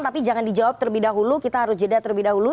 tapi jangan dijawab terlebih dahulu kita harus jeda terlebih dahulu